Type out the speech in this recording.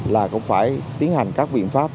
là cũng phải tiến hành các biện pháp